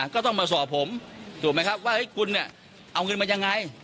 ก็ต้องมาสอบผมถูกไหมครับว่าคุณเนี่ยเอาเงินมายังไง